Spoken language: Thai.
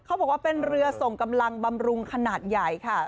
เขาบอกว่าเป็นเรือส่งกำลังบำรุงขนาดใหญ่ค่ะ